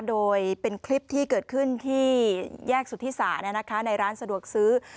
โดยเป็นคลิปที่เกิดขึ้นที่แยกสุธิศาสในร้านสะดวกซื้อ